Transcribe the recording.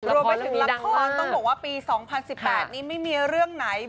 รวมไปถึงละครต้องบอกว่าปี๒๐๑๘นี้ไม่มีเรื่องไหน